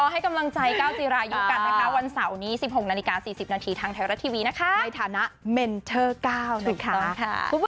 ให้มันขาวสุดยอดเปล่าเลยครับ